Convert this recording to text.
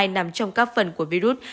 nằm trong các phần của virus